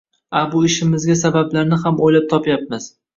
a bu ishimizga sabablarni ham o‘ylab topyapmiz...